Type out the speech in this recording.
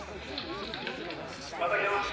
また来ます。